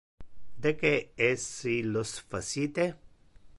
De que es illos facite?